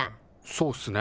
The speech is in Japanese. そうっすね。